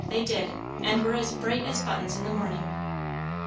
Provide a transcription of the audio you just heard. they did, and were as bright as buttons in the morning.